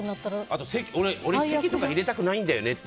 あと俺、籍とか入れたくないんだよね